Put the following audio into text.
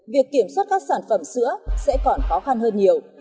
việc kiểm soát các sản phẩm sữa sẽ còn khó khăn hơn nhiều